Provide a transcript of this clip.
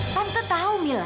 tante tahu mila